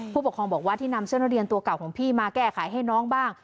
ผู้ปกครองบอกว่าที่นำเสื้อนักเรียนตัวเก่าของพี่มาแก้ไขให้น้องบ้าง